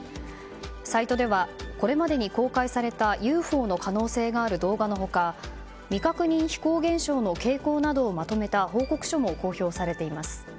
サイトではこれまでに公開されたＵＦＯの可能性がある動画の他未確認飛行現象の傾向などをまとめた報告書も公表されています。